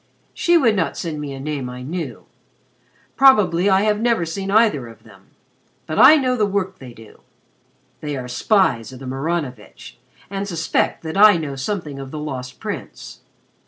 "She would not send me a name I knew. Probably I have never seen either of them. But I know the work they do. They are spies of the Maranovitch, and suspect that I know something of the Lost Prince.